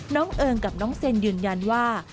เอิงกับน้องเซนยืนยันว่า